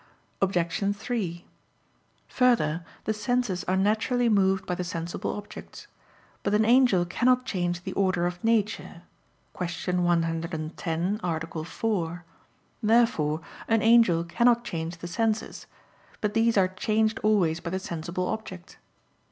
Obj. 3: Further, the senses are naturally moved by the sensible objects. But an angel cannot change the order of nature (Q. 110, A. 4). Therefore an angel cannot change the senses; but these are changed always by the sensible object.